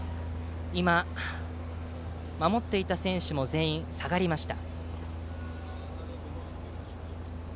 守っていた選手も全員下がりました。